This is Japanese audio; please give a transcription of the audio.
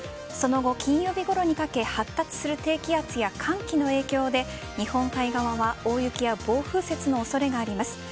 その後、金曜日ごろにかけ発達する低気圧や寒気の影響で日本海側は大雪や暴風雪の恐れがあります。